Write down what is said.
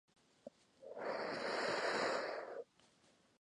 Laser Blazer remained open and used the area for Blu-ray Discs.